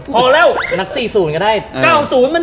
ก้าวศูนย์มันก็อยู่ด้วยกัน